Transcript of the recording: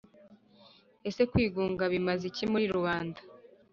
ese kwigunga bimaze iki muri rubanda